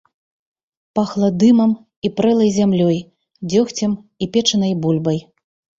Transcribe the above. Пахла дымам і прэлай зямлёй, дзёгцем і печанай бульбай.